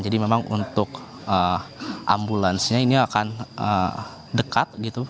memang untuk ambulansnya ini akan dekat gitu